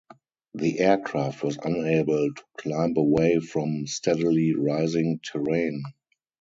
The aircraft was unable to climb away from steadily rising terrain.